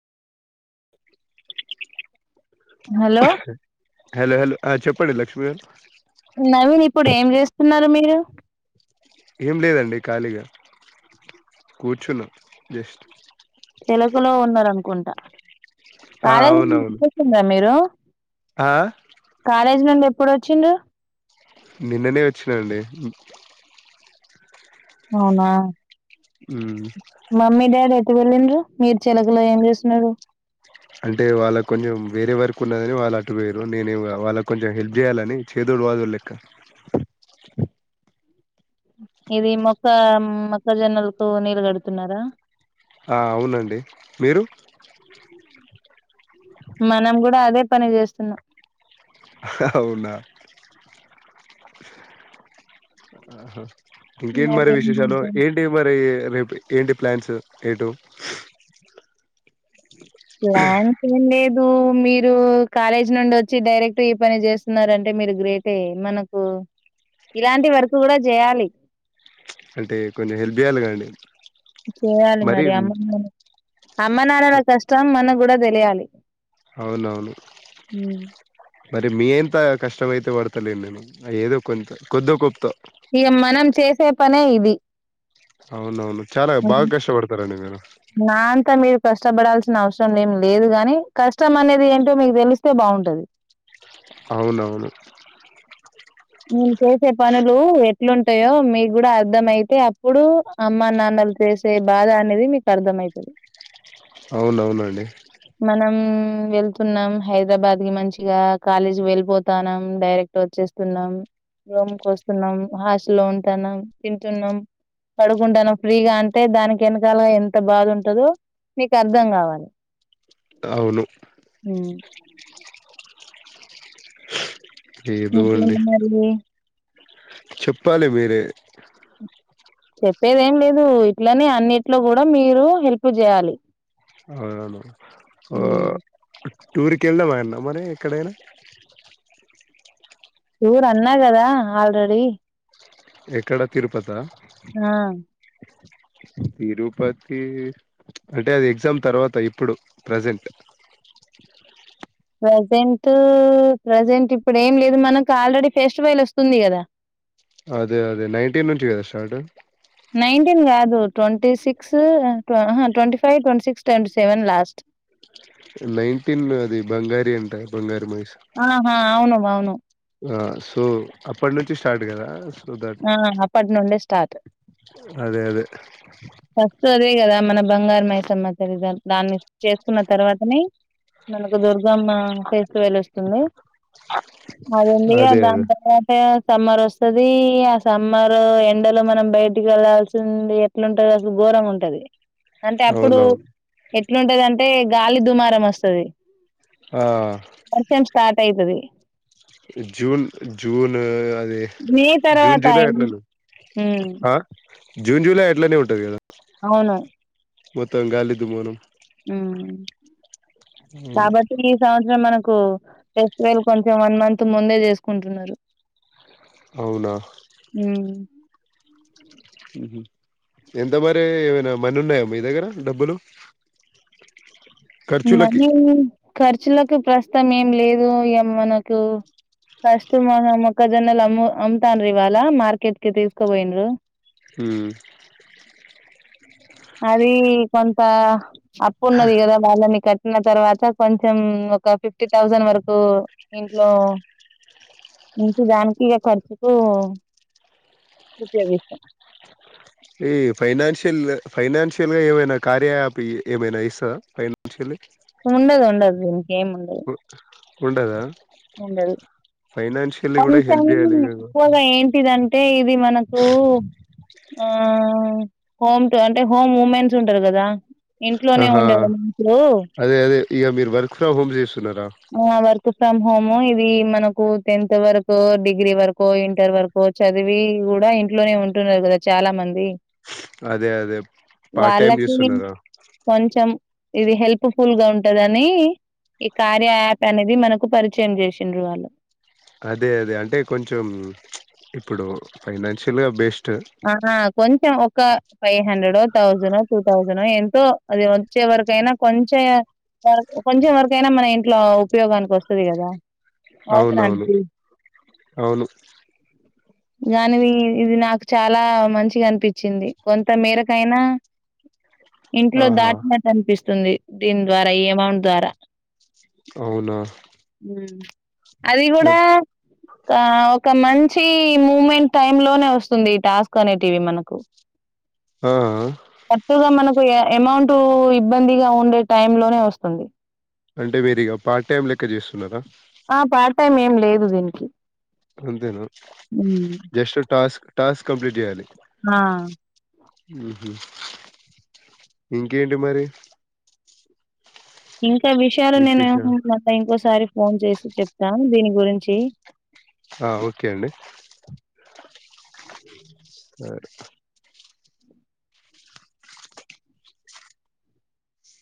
Hello hello hello చెప్పండి లక్ష్మీ గారు నవీన్ ఇప్పుడు ఏం చేస్తున్నారు మీరు ఏం లేదండి ఖాళీగా కూర్చున్నా జస్ట్ తెలుగులో ఉన్నారనుకుంటా ఆ కాలేజీ ను అవునవును ఇంటికి వచ్చిరా మీరు ఆ మనేజ్మెంట్ ఎప్పుడు వచ్చింది నిన్ననే వచ్చినండి అ అవునా హమ్ మమ్మీ డాడీ ఎటు వెళ్ళండ్రు మీరు చిలకలో ఏం చేస్తున్నారు అంటే వాళ్ళకు కొంచెం వేరే వరకు ఉన్నదని వాళ్ళు అటు వేయరు నేను వాళ్ళకి కొంచెం హెల్ప్ చేయ్యాలని చేదోడు వాదోడు లెక్క ఇది మొక్క మొక్క జొన్నలకు నీళ్లు గడుతున్నారా ఆ అవునండి మీరు మనం గుడా అదే పని చేస్తున్నాం. అవునా ఆహ ఇంకేం మరి ఏం విశేషాలు చేద్దాం ఏంటి మరీ రేపు ఏంటి ప్లాన్స్ ఎటూ ప్లాన్స్ ఏం లేదు. మీరు కాలేజ్ నుండి వచ్చి డైరెక్ట్ ఈ పని చేస్తున్నారంటే మీరు గ్రేటే మనకు ఇలాంటి వర్క్ కూడా చేయాలి. అంటే కొంచం హెల్ప్ చేయాలెగా అండి చేయాలి మరి అమ్మ, నాన్న అమ్మ నాన్నల కష్టం మనక్ కూడా తెలియాలి. అవునవును. మరి మీ అంత కష్టమయితే పడ్తలేను నేను ఏదో కొంత కొద్దో గొప్తో ఇగ మనం చేసే పనే ఇది. అవునవును చాలా బాగా కష్టపడతరండి మీరు నా అంతా మీరు కష్టపడాల్సిన అవసరం ఏం లేదు గాని కష్టం అనేది ఏంటో మీకు తెలిస్తే బాగుంటది. అవునవును. మేము చేసే పనులు ఎట్లుంటయో మీకు కూడా అర్థం అయితే అప్పుడు అమ్మ, నాన్నలు చేసే బాధ అనేది మీకు అర్థమవుతుంది. అవునవునండి. మనం వెళ్తున్నాం హైదరాబాద్కి మంచిగా కాలేజ్ వెళ్ళిపోతన్నాం డైరెక్ట్ వచ్చేస్ స్తున్నాం. రూమ్కి వస్తున్నాం హాస్టల్లో ఉంటాన్నాం, తింటున్నాం, పడుకుంటానం ఫ్రీగా అంటే దానికి ఎనకాల ఎంత బాధ ఉంటందో నీకు అర్ధం కావాలె అవును. ఏదో అండి ఇంకేంటి మరీ చెప్పాలి మీరే చెప్పేది ఏం లేదు ఇట్లనే అన్నిట్లో కూడా మీరు హెల్ప్ చేయాలి. ఆ అవును టూర్కి కెళ్దామన్నా మరి ఎక్కడైనా టూర్ అన్నా కదా ఆల్రెడీ ఎక్కడ తిరుపతా ఆ తిరుపతి అంటే అది ఎగ్జామ్ తర్వాత ఇప్పుడు ప్రజెంట్ ప్రజెంట్ ప్రజెంట్ ఇప్పుడు ఏం లేదు మనక్ ఆల్రెడీ ఫెస్టివెల్ వస్తుంది కదా అదే అదే నైన్టీన్ నుంచి కదా స్టార్ట్ నైన్టీన్ కాదు twenty six twenty five, twenty six, twenty seven last nineteen అది బంగారి అంట బంగా ఆహా అవును అవును ఆ సో అప్పట్ నుం స్టార్ట్ కదా సో దట్ ఆ అప్పటి నుండే స్టార్ట్ అదే అదే ఫస్ట్ అదే కదా మన బంగారు మైసమ్మ తల్లి దాన్ని చేసుకున్న తర్వాతనే మనకు దుర్గమ్మ ఫెస్టివల్ వస్తుంది. అదడి అదే అదే దాంత సమర వస్తుది ఆ సమ్మర్ ఎండలో మనం బయటికి వెళ్లాల్సింది ఎట్లుంటది అసలు ఘోరం ఉంటది అంటే అప్పుడు అవునవును ఎట్లుంటదింటే గాలి దుమారం వస్తుది ఆ అయితది జూన్ జూన్ అది మ జూన్ తర్వాత జూలై అట్లనే ఆ జూన్ జూలై ఎట్లానే ఉంటదిద అవును మొత్తం గాలిదు మోనం హమ్ ఉమ్, కాబట్టి ఈ సంవత్సరం మనకు ఫెస్టివల్ కొంచెం వన్ మంత్ ముందే చేసుకుంటున్నారు అవునా ఉమ్ ఎంత మరి ఏమైనా మన్ని ఉన్నాయా మీ దగ్గర డబ్బులు ఖర్చులకి మనీ ఖర్చులకు ప్రస్తుతం ఏం లేదు ఇ మనకు కస్ మ మొక్కజొన్నలు అమ్ము అమ్ముతాను ఇవాళ మార్కెట్ కి తీసుకోపోయిన హ అది కొంత అప్పు ఉన్నదిగదా బాలాని కట్టిన తర్వాత కొంచెం ఒక ఫిఫ్టీ థౌజండ్ వరకు ఇంట్లో నుంచి దానికి ఇక ఖర్చుకు ఉపయోగిస్తాం ఈ ఫైనాన్షియల్ ఫైనాన్షియల్ గా ఏమైనా కార్యయాపి ఏమైనా ఇస్తందా ఫైనాన్షియల్ ఉండదు ఉందు ఓ ఉండదా ఫైనాన్షియల్లీ కొ కూడా టై హెల్ప్ చేయాలి కదా ఇప్పగా ఏంటిది అంత అంటే ఇది మనకు ఆ హోమ్ అంటే హోమ్ ఉమెన్స్ ఉంటారు కదా ఇంట్లోనే ఉండేవాళ్ళ ఇంట్లు ఈయమి మీర్ బారికు కూడా హంజస్ చిునరా ఆ వర్క్ ఫ్రమ్ హోమ్ ఇది మనకు టెన్త్ వరకు డిగ్రీ వరకు ఇంటర్ వరకు చదివి కూడా ఇంట్లోనే ఉంటున్నారు కదా చాలా మంది అదే అదే పార్ట్ టైమ్ వాళ్ళకి చూస్తున్నారా కొంచెం ఇది హెల్ప్ఫుల్ గా ఉంటదని కార్య యాప్ అనేది మనకు పరిచయం చేసిండ్రు వాళ్ళు అదే అదే అంటే కొంచెం ఇప్పుడు ఫైనాన్షియల్ గా బెస్ట్ ఆ కొంచెం five hundred thousand two thousand ఎంతో అది వకు అయిన కొంచెం ఏ వ కొంచెం వరక అయినా మన ఇంట్లో ఉపయోగానికి వస్తుంది కదా అవునవును అవసరానికి అవును దానివి ఇది నా చాలా మంచిగా అనిపించింది కొంత మేరకైనా ఇంట్లో ఆహా దాటినట్టు అనిపిస్తుంది వస్తుంది దీని ద్వారా ఈ అమౌంట్ ద్వారా అవునా అది కూడా యప్ ఆ ఒక మంచి మూ్మెంట్ టైమ్ లోనే వస్తుంది టాస్క్ అనేటివి మనకు ఆ చక్కగా మనకు అమౌంట్ ఇబ్బందిగా ఉండే టై లోనే వస్తుంది అంటే మీరు ఇక పార్ట్ టైం లెక్క చేస్తున్నారా ఆ పార్ట్ టైమ్ ఏం లేదు దీనికి అంతేనా హ్మ్ జస్ట్ టాస్క్ టాస్క్ కంప్లీట్ చేయాలి ఆ ఇంకేంటి మరి ఇంకా విషయాలు నేను విశేషాలు? మాట్లాతా ఇంకోసారి ఫోన్ చేసి చెప్తాను దీని గురించి ఆ ఓకే అండి సరి